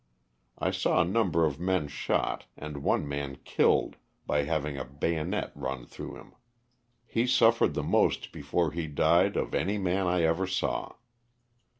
I saw a number of men shot and one man killed by having a bayonet run through him. He suffered the most before he died of any man I ever saw.